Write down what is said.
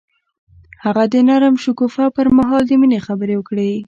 هغه د نرم شګوفه پر مهال د مینې خبرې وکړې.